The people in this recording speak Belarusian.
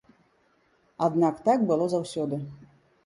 Аднак так было заўсёды.